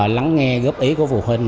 lắng nghe góp ý của phụ huynh